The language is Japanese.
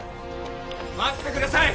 待ってください！